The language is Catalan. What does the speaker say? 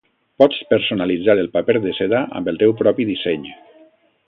Pots personalitzar el paper de seda amb el teu propi disseny.